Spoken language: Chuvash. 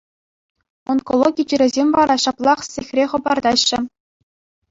Онкологи чирӗсем вара ҫаплах сехре хӑпартаҫҫӗ.